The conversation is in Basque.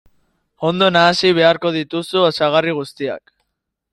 Ondo nahasi beharko dituzu osagarri guztiak.